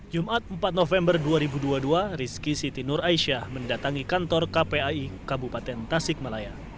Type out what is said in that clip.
jumat empat november dua ribu dua puluh dua rizky siti nur aisyah mendatangi kantor kpai kabupaten tasik malaya